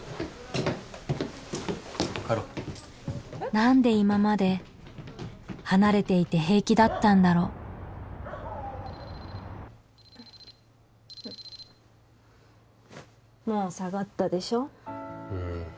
帰ろう何で今まで離れていて平気だったんだろうもう下がったでしょうん